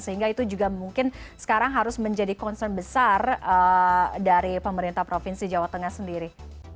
sehingga itu juga mungkin sekarang harus menjadi concern besar dari pemerintah provinsi jawa tengah sendiri